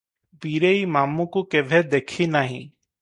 ବୀରେଇ ମାମୁକୁ କେଭେ ଦେଖିନାହିଁ ।